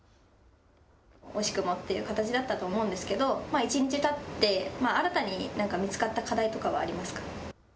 惜しくもという形だったと思うんですけど１日たって、新たに見つかった課題とかはありますか。